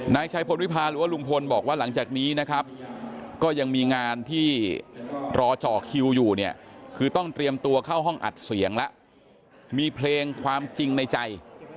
นายชัยพลวิพาหรือว่าลุงพลบอกว่าหลังจากนี้นะครับก็ยังมีงานที่รอเจาะคิวอยู่เนี่ยคือต้องเตรียมตัวเข้าห้องอัดเสียงแล้วมีเพลงความจริงในใจ